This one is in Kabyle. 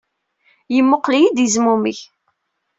Yemmuqqel-iyi-d, yezmumeg.